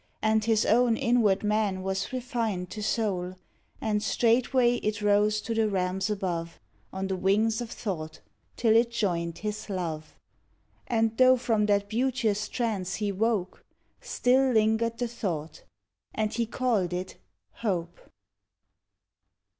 And his own inward man was refined to soul, And straightway it rose to the realms above, On the wings of thought till it joined his love, And though from that beauteous trance he woke Still linger'd the thought and he called it hope!